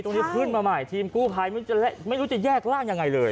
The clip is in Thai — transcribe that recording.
ขึ้นมาใหม่ทีมกู้ภัยไม่รู้จะแยกร่างยังไงเลย